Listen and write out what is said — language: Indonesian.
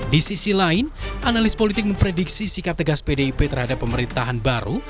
di sisi lain analis politik memprediksi sikap tegas pdip terhadap pemerintahan baru